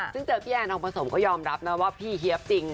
ซึ่งเจอพี่แอนทองผสมก็ยอมรับนะว่าพี่เฮียบจริง